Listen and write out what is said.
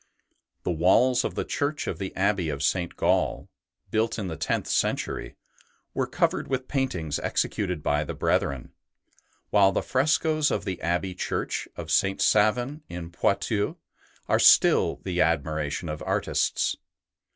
The walls of the church of the Abbey of St. Gall, built in the tenth century, were covered with paintings executed by the brethren; while the frescoes of the Abbey Church of St. Savin in Poitou are still the admiration of artists.